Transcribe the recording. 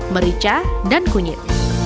merica dan kunyit